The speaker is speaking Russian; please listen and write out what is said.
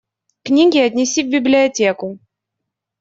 Книги отнеси в библиотеку.